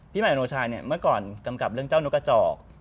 ใหม่อโนชาเนี่ยเมื่อก่อนกำกับเรื่องเจ้านกกระจอก